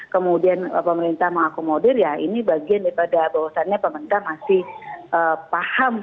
kemudian pemerintah mengakomodir ya ini bagian daripada bahwasannya pemerintah masih paham